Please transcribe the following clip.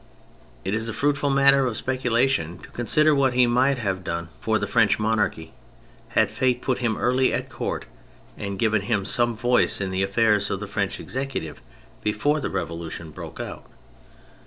It is a fruitful matter of speculation to con sider what he might have done for the French monarchy had Fate put him early at Court and given him some voice in the affairs of the French Executive before the Revolution broke out.